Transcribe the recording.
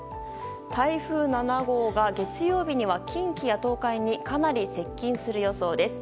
台風７号が月曜日には近畿や東海にかなり接近する予想です。